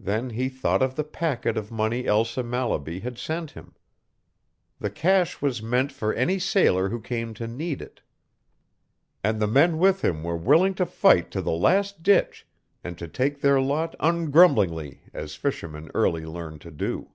Then he thought of the packet of money Elsa Mallaby had sent him. The cash was meant for any sailor who came to need it. And the men with him were willing to fight to the last ditch and to take their lot ungrumblingly as fishermen early learn to do.